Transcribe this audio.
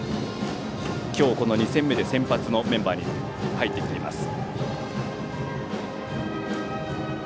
今日、２戦目で先発のメンバーに入ってきています。